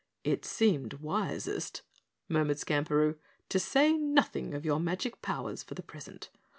"It seemed wisest," murmured Skamperoo, "to say nothing of your magic powers for the present.